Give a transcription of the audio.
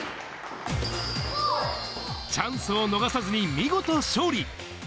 チャンスを逃さずに見事勝利。